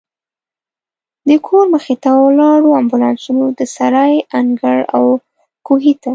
د کور مخې ته ولاړو امبولانسونو، د سرای انګړ او کوهي ته.